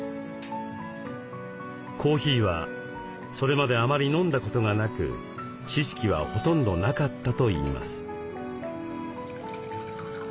コーヒーはそれまであまり飲んだことがなく知識はほとんどなかったといいます。